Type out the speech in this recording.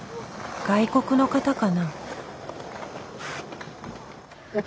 外国の方かな？